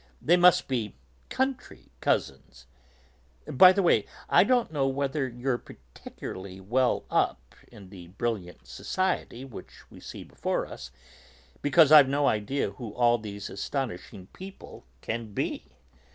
They must be 'country cousins'! By the way, I don't know whether you're particularly 'well up' in the brilliant society which we see before us, because I've no idea who all these astonishing people can be.